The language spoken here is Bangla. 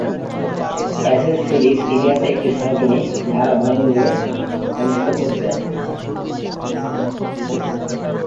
অ্যাশেজ সিরিজের ইতিহাসে এটি সনাতনী ধারা ভেঙ্গে অনুষ্ঠিত হচ্ছে।